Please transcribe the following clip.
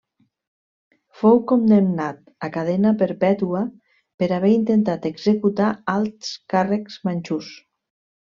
Fou condemnat a cadena perpètua per haver intentat executar alts càrrecs manxús.